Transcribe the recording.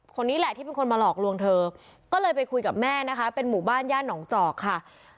คนนี้แหละที่เป็นคนมาหลอกลวงเธอก็เลยไปคุยกับแม่นะคะเป็นหมู่บ้านย่านหนองจอกค่ะ